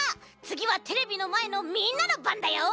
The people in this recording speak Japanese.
つぎはテレビのまえのみんなのばんだよ。